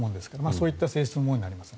そういった性質のものになります。